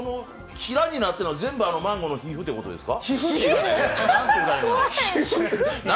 ひらになってるのは、全部マンゴーの皮膚ってことですか？